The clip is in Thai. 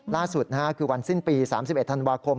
ล่าสุดคือวันสิ้นปี๓๑ธันวาคม